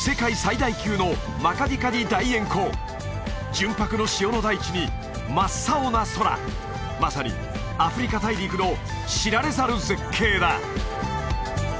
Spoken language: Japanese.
純白の塩の大地に真っ青な空まさにアフリカ大陸の知られざる絶景だ！